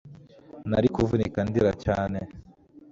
Nari kuvunika ndira cyane